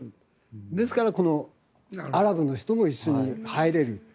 ですから、このアラブの人も一緒に入れる。